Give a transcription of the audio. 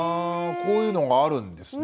こういうのがあるんですね。